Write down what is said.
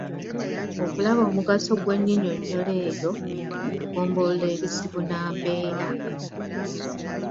Okulaba omugaso gw’ennyinyonnyloero eyo mu kugombolola ebizibu nnambeera.